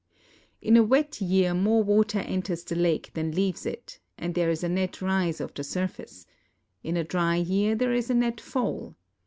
In a wet j^ear more water enters the lake than leaves it, and there is a net rise of the surface; in a dry year there is a net fall.